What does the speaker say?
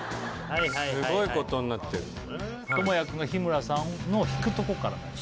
すごいことになってる倫也くんが日村さんのを引くとこからだよ